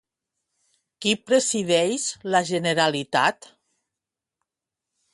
Qui presideix la Generalitat?